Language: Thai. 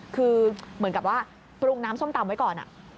คือเหมือนกับว่าปรุงน้ำส้มตำไว้ก่อน